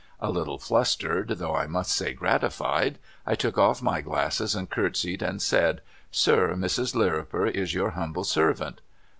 A little flustered though I must say gratified I took off my glasses and courtesied and said ' Sir, Mrs. Lirrii)er is your humble servant.'